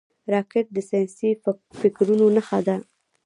راکټ د ساینسي فکرونو نښه ده